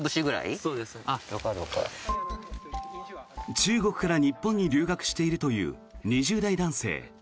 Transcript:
中国から日本に留学しているという２０代男性。